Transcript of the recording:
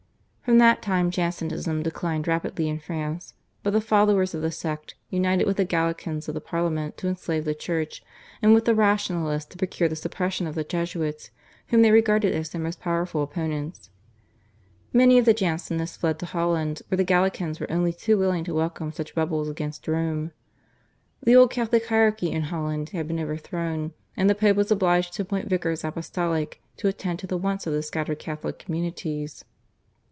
From that time Jansenism declined rapidly in France, but the followers of the sect united with the Gallicans of the Parliament to enslave the Church, and with the Rationalists to procure the suppression of the Jesuits, whom they regarded as their most powerful opponents. Many of the Jansenists fled to Holland, where the Gallicans were only too willing to welcome such rebels against Rome. The old Catholic hierarchy in Holland had been overthrown, and the Pope was obliged to appoint vicars apostolic to attend to the wants of the scattered Catholic communities.